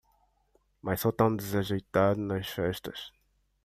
Mas sou tão desajeitado nas festas.